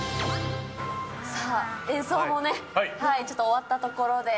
さあ、演奏もちょっと終わったところで。